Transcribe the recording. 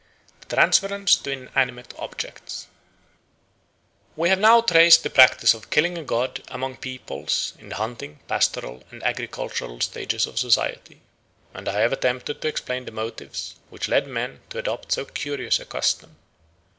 The Transference to Inanimate Objects WE have now traced the practice of killing a god among peoples in the hunting, pastoral, and agricultural stages of society; and I have attempted to explain the motives which led men to adopt so curious a custom.